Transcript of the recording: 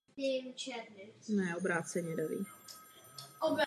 Čtvrtá hlava pak líčí krátkou historii a poměry Druhé republiky.